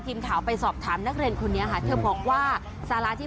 ควรแก้ไหมควรแก้แก้ไหมก็อาจจะย้ายตรงนี้มาว่าไม่ได้